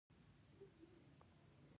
صنعتي پانګوال له دې لارې پیسې ژر ترلاسه کوي